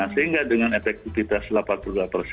sehingga dengan efektifitas delapan puluh dua